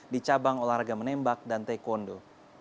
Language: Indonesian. di cabang olahraga menembak dan taekwondo